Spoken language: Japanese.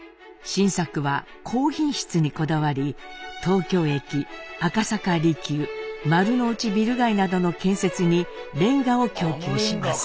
新作は高品質にこだわり東京駅赤坂離宮丸の内ビル街などの建設に煉瓦を供給します。